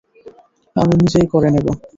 আমি নিজেই করে নেবো।